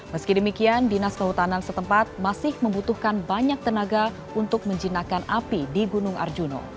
meski demikian dinas kehutanan setempat masih membutuhkan banyak tenaga untuk menjinakkan api di gunung arjuna